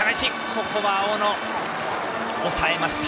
ここは青野、抑えました。